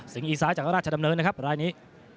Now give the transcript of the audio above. สิงห์อีศาจากราชดำเนินนะครับรายนี้